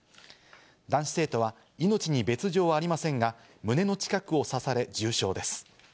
男子生徒は命に別状はありませんが、胸の近くを刺され重傷です。